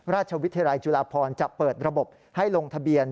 ราชวิทยาลัยจุฬาพรจะเปิดระบบให้ลงทะเบียน